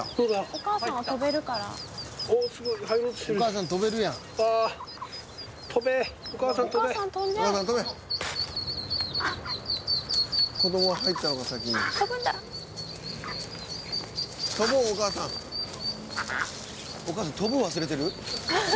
お母さん飛ぶの忘れてる？